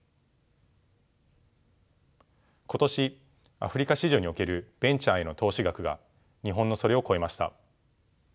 今年アフリカ市場におけるベンチャーへの投資額が日本のそれを超えました。